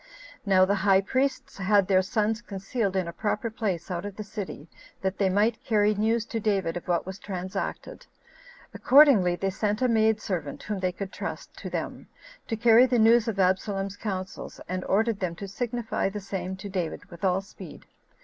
Now the high priests had their sons concealed in a proper place out of the city, that they might carry news to David of what was transacted. Accordingly, they sent a maid servant, whom they could trust, to them, to carry the news of Absalom's counsels, and ordered them to signify the same to David with all speed.